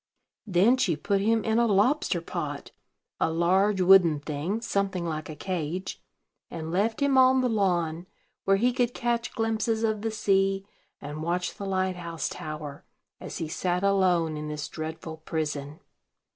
Then she put him in a lobster pot, a large wooden thing, something like a cage, and left him on the lawn, where he could catch glimpses of the sea, and watch the light house tower, as he sat alone in this dreadful prison.